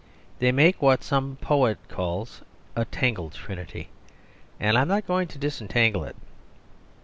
They make what some poet calls "a tangled trinity," and I am not going to disentangle it.